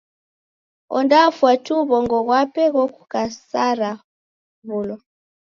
Ondafwa tu w'ongo ghwape ghukasaraw'ulwa.